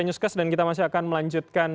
newscast dan kita masih akan melanjutkan